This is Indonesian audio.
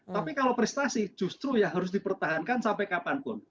tapi kalau prestasi justru ya harus dipertahankan sampai kapanpun